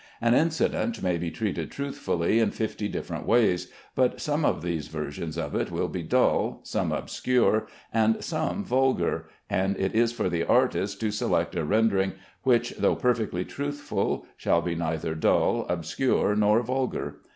An incident may be treated truthfully in fifty different ways, but some of these versions of it will be dull, some obscure, and some vulgar, and it is for the artist to select a rendering which, though perfectly truthful, shall be neither dull, obscure, nor vulgar.